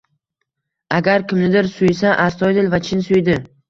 Agar kimnidir suysa, astoydil va chin suydi